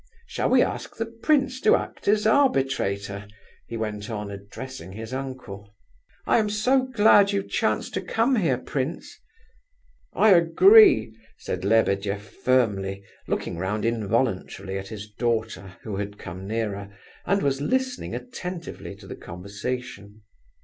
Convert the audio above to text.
Shall we ask the prince to act as arbitrator?" he went on, addressing his uncle. "I am so glad you chanced to come here, prince." "I agree," said Lebedeff, firmly, looking round involuntarily at his daughter, who had come nearer, and was listening attentively to the conversation.